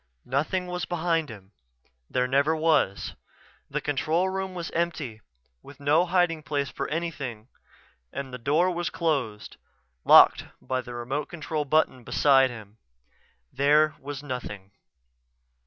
Nothing was behind him. There never was. The control room was empty, with no hiding place for anything, and the door was closed, locked by the remote control button beside him. There was nothing.